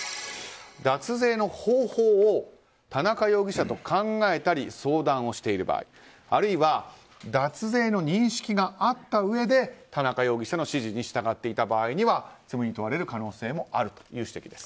脱税の方法を田中容疑者と考えたり相談をしている場合あるいは脱税の認識があったうえで田中容疑者の指示に従っていた場合には罪に問われる可能性もあるという指摘です。